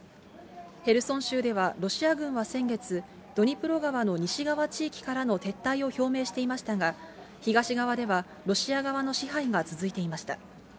ヘルソン州では、ロシア軍は先月、ドニプロ川の西側地域からの撤退を表明していましたが、東側ではロシア側の支配が続いていました。